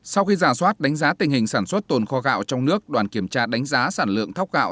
sau khi giả soát đánh giá tình hình sản xuất tồn kho gạo trong nước đoàn kiểm tra đánh giá sản lượng thóc gạo